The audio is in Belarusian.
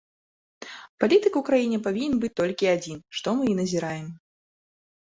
Палітык у краіне павінен быць толькі адзін, што мы і назіраем.